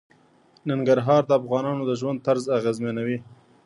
ننګرهار د افغانانو د ژوند طرز اغېزمنوي.